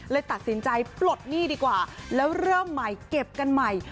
เลยตัดสินใจปลดหนี้ดีกว่าแล้วเริ่มใหม่เก็บกันใหม่